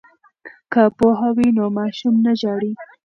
که پوهه وي نو ماشوم نه ژاړي.